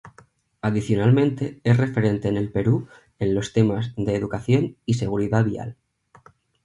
Adicionalmente, es referente en el Perú en los temas de Educación y Seguridad Vial.